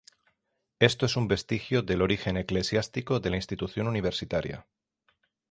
Esto es un vestigio del origen eclesiástico de la institución universitaria.